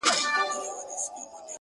تا پر اوږده ږيره شراب په خرمستۍ توی کړل.